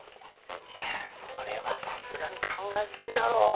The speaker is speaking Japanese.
いやそれはさすがに考えすぎだろ。